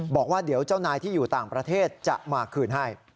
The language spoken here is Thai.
บอกว่าเดี๋ยวเจ้านายที่อยู่ต่างประเทศจะมาคืนให้